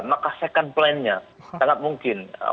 maka second plan nya sangat mungkin orang yang akan didukung akan berdua